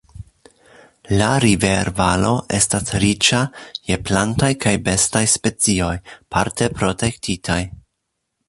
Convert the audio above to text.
La river-valo estas riĉa je plantaj kaj bestaj specioj, parte protektitaj.